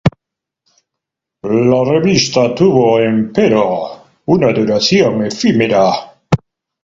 La revista tuvo, empero, una duración efímera.